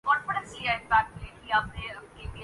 کا نظارہ کرتے ہیں